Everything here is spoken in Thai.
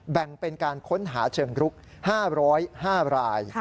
แบ่งเป็นการค้นหาเชิงรุก๕๐๕ราย